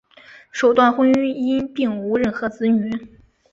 首段婚姻并无任何子女。